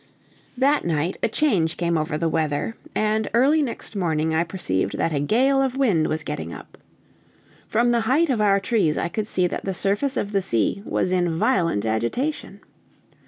That night a change came over the weather, and early next morning I perceived that a gale of wind was getting up. From the height of our trees I could see that the surface of the sea was in violent agitation.